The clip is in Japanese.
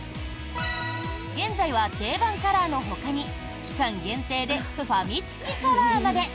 現在は定番カラーのほかに期間限定でファミチキカラーまで。